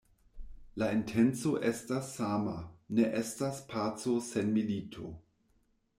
La intenco estas sama: ne estas paco sen milito.